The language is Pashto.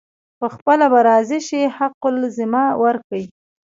پخپله به راضي شي حق الزحمه ورکړي.